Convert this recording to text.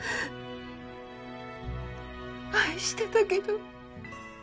愛してたけど。